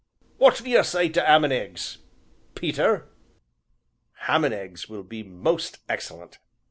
"What do you say to 'am and eggs Peter?" "Ham and eggs will be most excellent!"